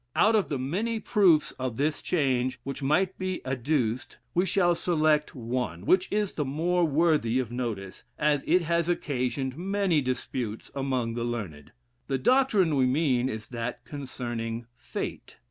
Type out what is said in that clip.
Out of the many proofs of this change, which might be adduced, we shall select one, which is the more worthy of notice, as it has occasioned many disputes among the learned. The doctrine we mean is that concerning fate.